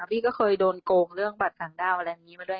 พี่ก็เคยโดนโกงเรื่องบัตรต่างด้าวอะไรอย่างนี้มาด้วย